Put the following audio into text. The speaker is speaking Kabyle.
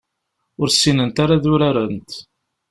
Ur ssinent ara ad urarent.